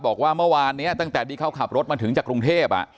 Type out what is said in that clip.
บอกว่าเมื่อวานนี้ตั้งแต่ที่เขาขับรถมาถึงจากกรุงเทพ